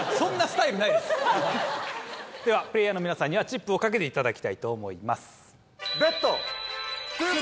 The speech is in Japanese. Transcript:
ではプレーヤーの皆さんにはチップを賭けて頂きたいと思います。